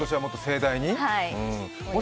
今年はもっと盛大に。